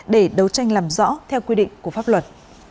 để đấu tranh làm rõ theo quy định của pháp luật